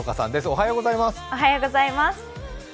おはようございます。